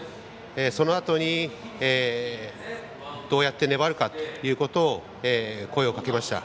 そのあとにどうやって粘るかということを声をかけました。